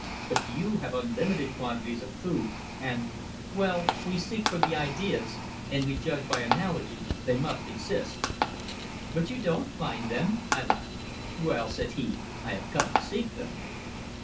But you have unlimited quantities of food, and well, we seek for the ideas, and we judge by analogy they must exist " "But you don't find them?" I laughed. "Well," said he, "I have come to seek them."